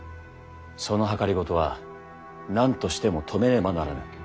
その謀は何としても止めねばならぬ。